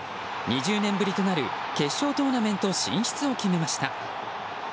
２０年ぶりとなる決勝トーナメント進出を決めました。